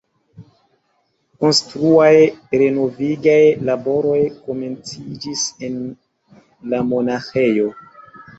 Konstruaj renovigaj laboroj komenciĝis en lamonaĥejo.